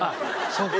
そっか。